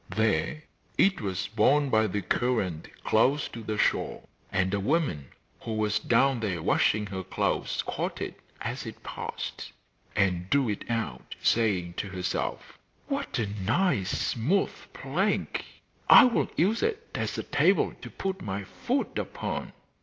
There it was borne by the current close to the shore, and a woman who was down there washing her clothes caught it as it passed, and drew it out, saying to herself: 'What a nice smooth plank! I will use it as a table to put my food upon.